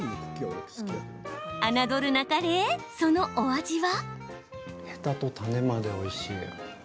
侮るなかれ、そのお味は。